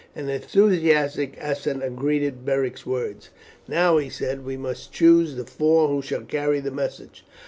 An enthusiastic assent greeted Beric's words. "Now," he said, "we must choose the four who shall carry the message.